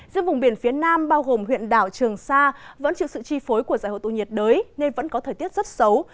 giữa vùng biển phía nam bao gồm huyện đảo trường sa vẫn chịu sự chi phối của giải hội tụ nhiệt đới nên vẫn có thời tiết rất xấu